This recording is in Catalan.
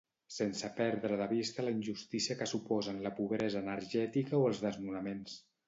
Sense perdre de vista la injustícia que suposen la pobresa energètica o els desnonaments.